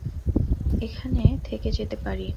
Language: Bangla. এখানে থেকে যেতে পারি।